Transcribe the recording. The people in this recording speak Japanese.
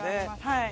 はい。